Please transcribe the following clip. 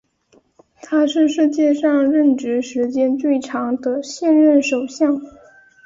他是世界上任职时间最长的现任首相。